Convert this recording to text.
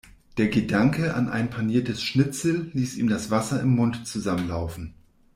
Der Gedanke an ein paniertes Schnitzel ließ ihm das Wasser im Mund zusammenlaufen.